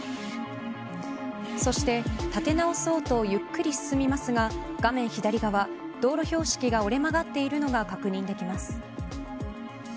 そして立て直そうとゆっくり進みますが画面左側、道路標識が折れ曲がっているのが確認できます。